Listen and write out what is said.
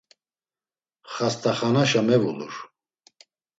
Xastaxanaşa mevulur.